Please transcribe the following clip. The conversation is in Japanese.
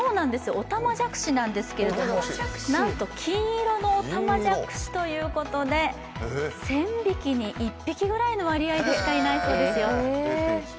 おたまじゃくしなんですけど、なんと金色のおたまじゃくしということで１０００匹に１匹くらいの割合でしかいないそうですよ。